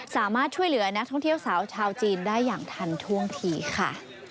สามารถช่วยเหลือนักท่องเที่ยวสาวชาวจีนได้อย่างทันท่วงทีค่ะ